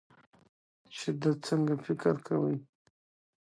چې د څنګه فکر کوي